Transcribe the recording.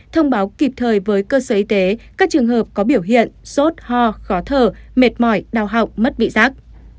thông báo kịp thời với cơ sở y tế các trường hợp có biểu hiện sốt ho khó thở mệt mỏi đau họng mất vị giác